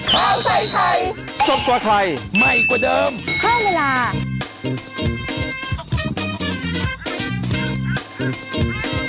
โปรดติดตามตอนต่อไป